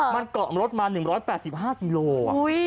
มันเกาะรถมา๑๘๕กิโล